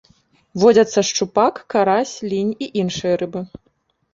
Водзяцца шчупак, карась, лінь і іншыя рыбы.